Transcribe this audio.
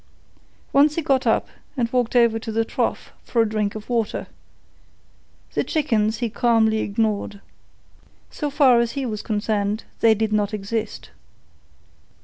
Once he got up and walked over to the trough for a drink of water. The chickens he calmly ignored. So far as he was concerned they did not exist.